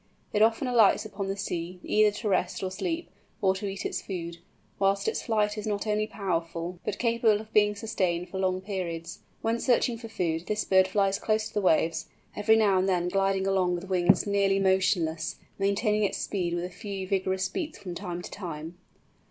It often alights upon the sea, either to rest or sleep, or to eat its food; whilst its flight is not only powerful, but capable of being sustained for long periods. When searching for food, this bird flies close to the waves, every now and then gliding along with wings nearly motionless, maintaining its speed with a few vigorous beats from time to time.